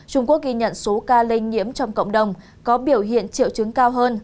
trung quốc ghi nhận số ca lây nhiễm trong cộng đồng có biểu hiện triệu chứng cao hơn